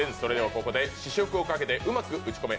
ここで試食をかけてうまく打ち込め！